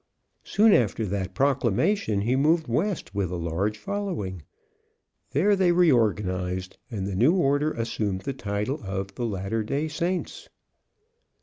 Soon after that proclamation he moved West with a large following. There they reorganized, and the new order assumed the title of 'The Latter Day Saints.'"